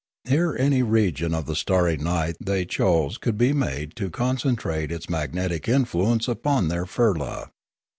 Here any region of the starry night they chose could be made to con centrate its magnetic influence upon their firla.